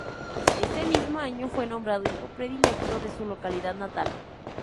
Ese mismo año fue nombrado hijo predilecto de su localidad natal.